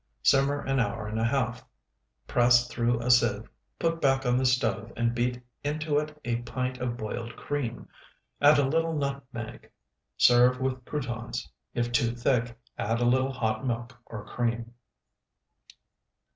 Simmer an hour and a half. Press through a sieve, put back on the stove, and beat into it a pint of boiled cream. Add a little nutmeg. Serve with croutons. If too thick, add a little hot milk or cream.